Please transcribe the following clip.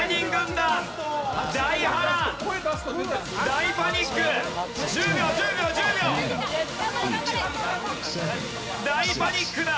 大パニックだ！